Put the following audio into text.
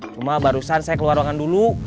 cuma barusan saya keluar ruangan dulu